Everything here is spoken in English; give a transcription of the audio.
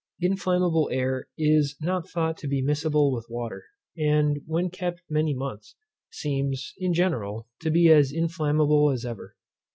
Inflammable air is not thought to be miscible with water, and when kept many months, seems, in general, to be as inflammable as ever.